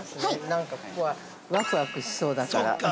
なんかここは、わくわくしそうだから。